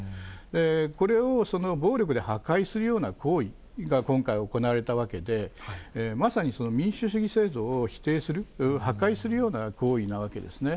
これを暴力で破壊するような行為が今回行われたわけで、まさに民主主義制度を否定する、破壊するような行為なわけですね。